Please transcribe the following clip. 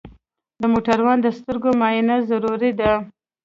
د موټروان د سترګو معاینه ضروري ده.